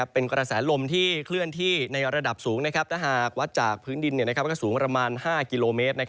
เป็นกระแสลมที่เคลื่อนที่ในระดับสูงถ้าหากวัดจากพื้นดินก็สูงประมาณ๕กิโลเมตร